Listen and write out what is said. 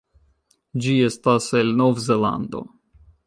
Ĝi estas el Novzelando.